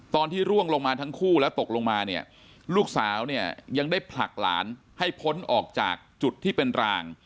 ร่วงลงมาทั้งคู่แล้วตกลงมาเนี่ยลูกสาวเนี่ยยังได้ผลักหลานให้พ้นออกจากจุดที่เป็นราง